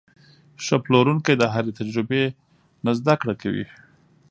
ښه پلورونکی د هرې تجربې نه زده کړه کوي.